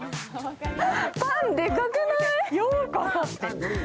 パン、でかくない？